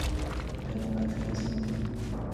قناعت گزین